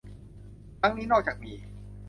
ครั้งนี้นอกจากมี